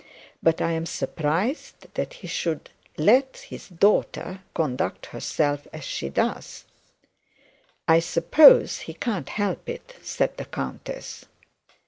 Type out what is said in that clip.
But I am surprised that he should let his daughter conduct herself as he does.' 'I suppose he can't help it,' said the countess.